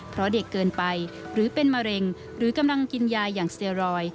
เพราะเด็กเกินไปหรือเป็นมะเร็งหรือกำลังกินยาอย่างเซียรอย